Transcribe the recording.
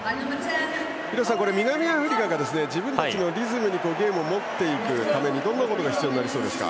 南アフリカが自分たちのリズムにゲームを持っていくためにどんなことが必要になりそうですか。